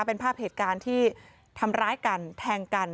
เป็นภาพเหตุการณ์ที่ทำร้ายกันแทงกัน